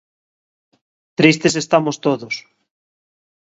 _Tristes estamos todos.